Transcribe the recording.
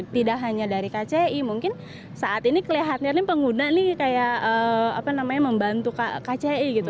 tidak hanya dari kci mungkin saat ini kelihatannya pengguna nih kayak apa namanya membantu kci gitu